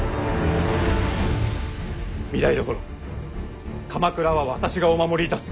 御台所鎌倉は私がお守りいたす。